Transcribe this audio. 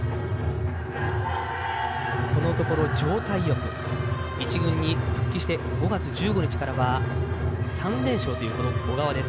このところ状態よく一軍に復帰して５月１５日からは３連勝という小川です。